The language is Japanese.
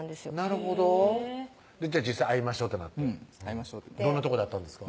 なるほど実際会いましょうってなってどんなとこで会ったんですか？